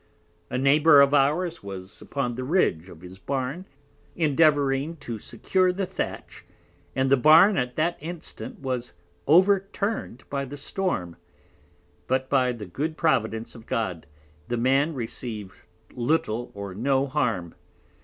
A Neighbour of ours was upon the Ridge of his Barn endeavouring to secure the Thatch, and the Barn at that instant was overturn'd by the Storm; but by the good Providence of God, the Man received little or no harm.